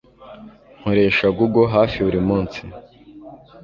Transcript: Nkoresha Google hafi buri munsi